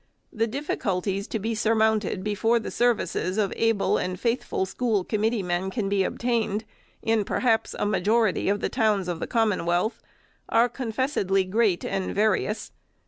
The difficulties to be surmounted before the services of able and faithful school committee men can be obtained, in perhaps a majority of the towns of the Commonwealth, are confessedly great and various.